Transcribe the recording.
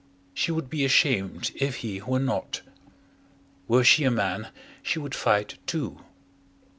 She would be ashamed if he were not. Were she a man she would fight too.